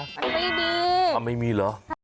ไม่มีไม่มีเหรอ